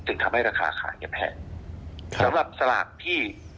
จึงทำให้ราคาขายยังแพงสำหรับที่